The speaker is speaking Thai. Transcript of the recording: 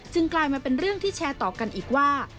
กลายมาเป็นเรื่องที่แชร์ต่อกันอีกว่า